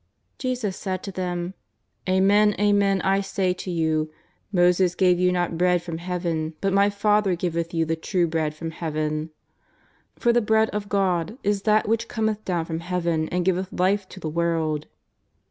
" Jesus said to them: "Amen, amen, I say to you: Moses gave you not bread from Heaven, but My Eather giveth you the true Bread from Heaven. For the bread of God is that which cometh down from Heaven and giveth life to the world."